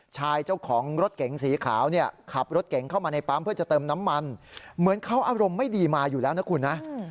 ชายเจ้าของรถเก๋งสีขาวเนี่ยขับรถเก๋งเข้ามาในปั๊มเพื่อจะเติมน้ำมันเหมือนเขาอารมณ์ไม่ดีมาอยู่แล้วนะคุณนะ